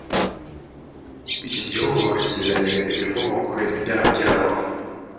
iki gihugu bakakizanira imivumo kubera ibyaha byabo